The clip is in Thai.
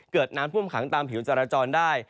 เกิดน้ำท่วมขังตามผิวจราจรได้